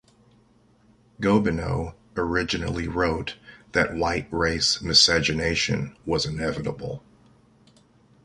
Gobineau originally wrote that white race miscegenation was inevitable.